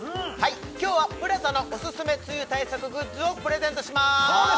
今日はＰＬＡＺＡのオススメ梅雨対策グッズをプレゼントします